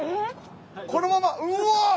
このままうわっ！